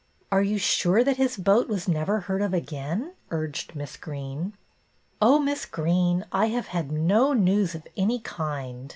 " Are you sure that his boat was never heard of again ?" urged Miss Greene. " Oh, Miss Greene, I have had no news of any kind.